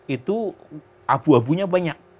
itu abu abunya banyak